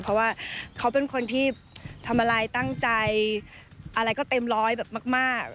เพราะว่าเขาเป็นคนที่ทำอะไรตั้งใจอะไรก็เต็มร้อยแบบมาก